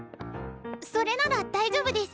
それなら大丈夫デス！